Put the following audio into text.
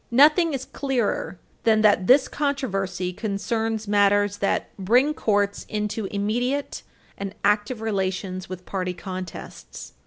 Nothing is clearer than that this controversy concerns matters that bring courts into immediate and active relations with party contests.